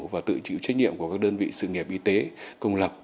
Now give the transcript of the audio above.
và tự chịu trách nhiệm của các đơn vị sự nghiệp y tế công lập